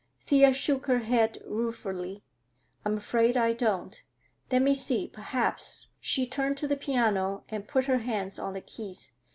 Thea shook her head ruefully. "I'm afraid I don't. Let me see—Perhaps," she turned to the piano and put her hands on the keys.